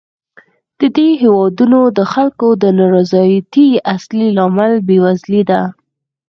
د دې هېوادونو د خلکو د نا رضایتۍ اصلي لامل بېوزلي ده.